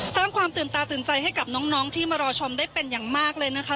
สร้างความตื่นตาตื่นใจให้กับน้องที่มารอชมได้เป็นอย่างมากเลยนะคะ